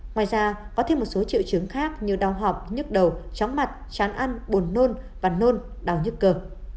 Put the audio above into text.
ngoài ra có thêm một số triệu chứng khác như đau họp nhức đầu chóng mặt chán ăn bồn nôn và nôn đau nhức cơ